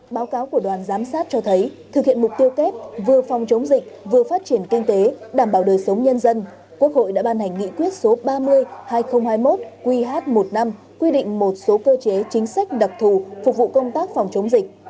báo cáo của đoàn giám sát cho thấy thực hiện mục tiêu kép vừa phòng chống dịch vừa phát triển kinh tế đảm bảo đời sống nhân dân quốc hội đã ban hành nghị quyết số ba mươi hai nghìn hai mươi một qh một năm quy định một số cơ chế chính sách đặc thù phục vụ công tác phòng chống dịch